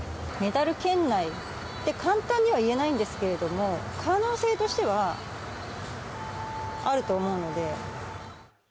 メダル圏内って簡単には言えないんですけれども、可能性としては、あると思うので。